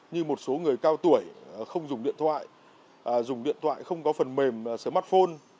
như một số người cao tuổi không dùng điện thoại dùng điện thoại không có phần mềm smartphone